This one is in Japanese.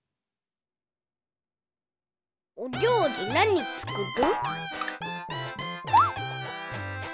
おりょうりなにつくる？